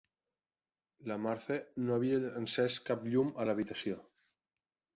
La Marthe no havia encès cap llum a l'habitació.